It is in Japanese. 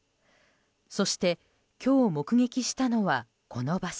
そして今日、目撃したのはこの場所。